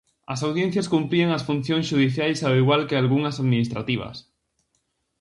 As audiencias cumprían as funcións xudiciais ao igual que algunhas administrativas.